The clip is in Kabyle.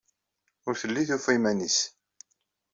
Ur telli tufa iman-nnes.